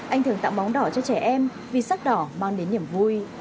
anh thường tặng bóng đỏ cho trẻ em vì sắc đỏ mang đến niềm vui